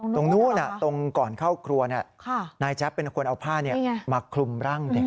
ตรงนู้นตรงก่อนเข้าครัวนายแจ๊บเป็นคนเอาผ้ามาคลุมร่างเด็ก